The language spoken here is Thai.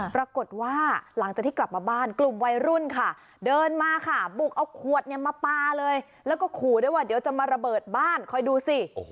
ปรากฏว่าหลังจากที่กลับมาบ้านกลุ่มวัยรุ่นค่ะเดินมาค่ะบุกเอาขวดเนี่ยมาปลาเลยแล้วก็ขู่ด้วยว่าเดี๋ยวจะมาระเบิดบ้านคอยดูสิ